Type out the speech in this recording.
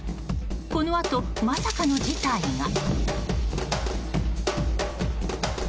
このあと、まさかの事態が。